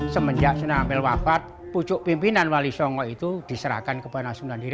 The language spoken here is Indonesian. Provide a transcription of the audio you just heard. semenjak sunan ampel wafat pucuk pimpinan wali songo itu diserahkan kepada sunan giri